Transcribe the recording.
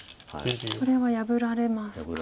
これは破られますか。